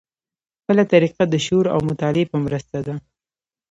بله طریقه د شعور او مطالعې په مرسته ده.